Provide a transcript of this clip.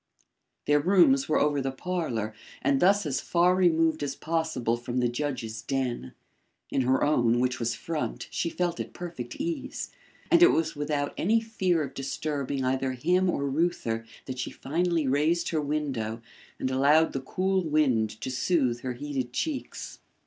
Their rooms were over the parlour and thus as far removed as possible from the judge's den. In her own, which was front, she felt at perfect ease, and it was without any fear of disturbing either him or Reuther that she finally raised her window and allowed the cool wind to soothe her heated cheeks.